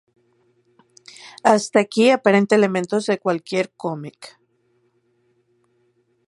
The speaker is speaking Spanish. Hasta aquí aparenta elementos de cualquier cómic.